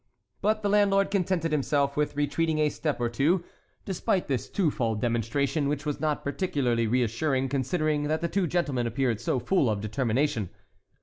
But the landlord contented himself with retreating a step or two, despite this two fold demonstration, which was not particularly reassuring, considering that the two gentlemen appeared so full of determination.